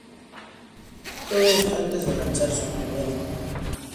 Todo esto antes de lanzar su primer disco.